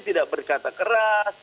tidak berkata keras